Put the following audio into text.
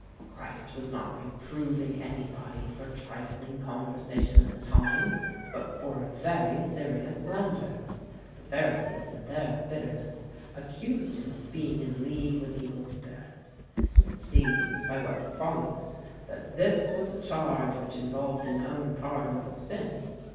Christ was not reproving any body for trifling conversation at the time; but for a very serious slander. The Pharisees, in their bitterness, accused him of being in league with evil spirits. It seems, by what follows, that this was a charge which involved an unpardonable sin.